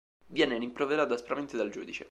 Viene rimproverato aspramente dal giudice.